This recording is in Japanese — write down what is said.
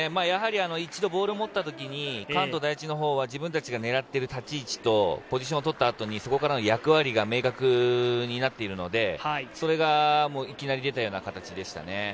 やはり一度ボールを持った時に関東第一のほうは自分たちが狙っている立ち位置とポジションをとった後にそこからの役割が明確になっているので、それがいきなり出たような形でしたね。